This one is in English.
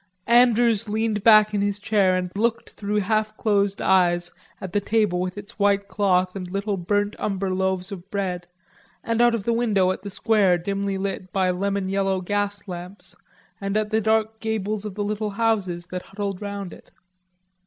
Andrews leaned back in his chair and looked through half closed eyes at the table with its white cloth and little burnt umber loaves of bread, and out of the window at the square dimly lit by lemon yellow gas lamps and at the dark gables of the little houses that huddled round it.